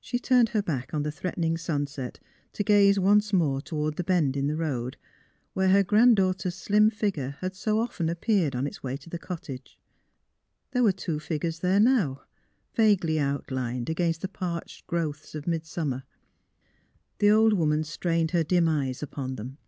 She turned her back on the threatening sunset to gaze once more toward the bend in the road, where her grand daughter's slim figure had so often appeared on its way to the cottage. There were two figures there now, vaguely outlined against the parched growths of midsummer. The old woman strained her dim eyes upon them.